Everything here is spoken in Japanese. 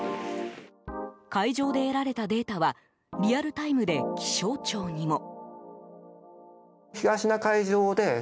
海上で得られたデータはリアルタイムで気象庁にも。